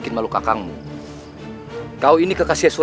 pangapunten gusti prabu